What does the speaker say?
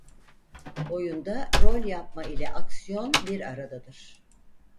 Oyunda rol yapma ile aksiyon bir aradadır.